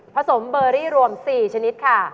ผสมเบอรี่รวม๔ชนิด